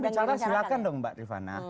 bicara silakan dong mbak rifana